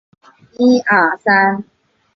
实施并提供产品相关的后勤服务。